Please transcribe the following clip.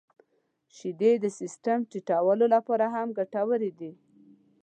• شیدې د سیستم د ټيټولو لپاره هم ګټورې دي.